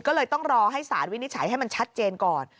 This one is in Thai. ก็เลยต้องรอให้สารวินิจฉัยให้มันชัดเจนก่อน